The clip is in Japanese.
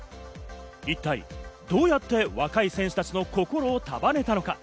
一体どうやって若い選手たちの心を束ねたのか？